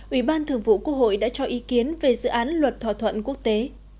ủy ban thường vụ quốc hội đã cho ý kiến về dự án luật thỏa thuận quốc tế